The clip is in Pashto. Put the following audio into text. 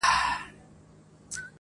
يوولس مياشتې يې پوره ماته ژړله_